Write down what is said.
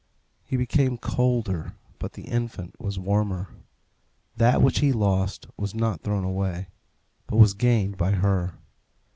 He became colder, but the infant was warmer. That which he lost was not thrown away, but was gained by her.